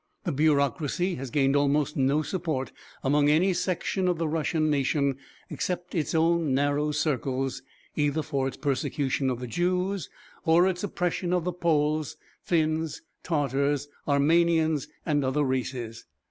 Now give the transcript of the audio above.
The bureaucracy has gained almost no support among any section of the Russian nation, except its own narrow circles, either for its persecution of the Jews or its oppression of the Poles, Finns, Tartars, Armenians and other races.